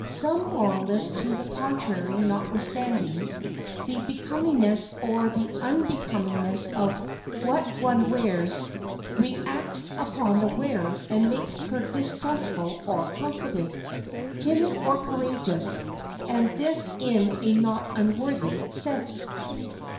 Some moralists to the contrary notwithstanding, the becomingness or the unbecomingness of what one wears reacts upon the wearer and makes her distrustful or confident, timid or courageous, and this in a not unworthy sense.